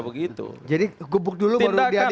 begitu jadi gubuk dulu baru diatur